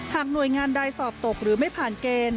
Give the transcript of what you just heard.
หน่วยงานใดสอบตกหรือไม่ผ่านเกณฑ์